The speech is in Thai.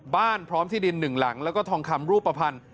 บ้านพร้อมที่ดิน๑หลังแล้วก็ทองคำรูปภัณฑ์